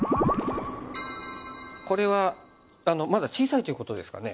これはまだ小さいということですかね。